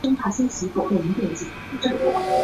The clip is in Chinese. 永安镇是中国四川安县历史上的一个镇。